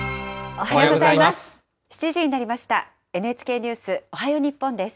おはようございます。